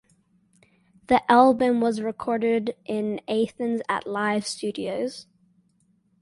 The album was recorded in Athens at Live Studios.